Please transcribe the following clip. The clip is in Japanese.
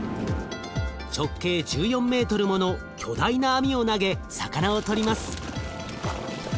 直径１４ｍもの巨大な網を投げ魚を取ります。